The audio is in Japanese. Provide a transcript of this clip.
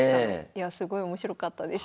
いやすごい面白かったです。